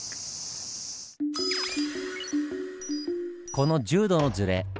この１０度のズレ